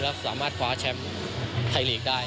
แล้วสามารถคว้าแชมป์ไทยลีกได้